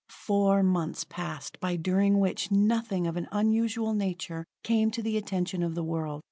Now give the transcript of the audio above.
Four months passed by during which nothing of an unusual nature came to the attention of the world.